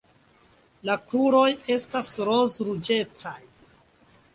La kruroj estas roz-ruĝecaj.